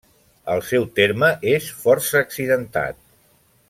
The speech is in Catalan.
El seu terme és força accidentat.